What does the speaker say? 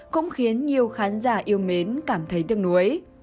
cũng khiến nhiều khán giả yêu mến cảm thấy tiếc nuối